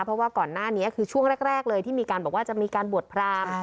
เพราะว่าก่อนหน้านี้คือช่วงแรกเลยที่มีการบอกว่าจะมีการบวชพราม